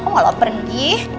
kok malah pergi